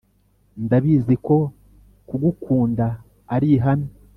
Ndabiziko ko kugukunda arihame